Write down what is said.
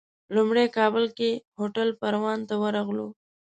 لومړی کابل کې هوټل پروان ته ورغلو.